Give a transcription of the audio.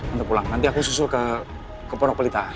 tante pulang nanti aku susul ke pondok pelita ya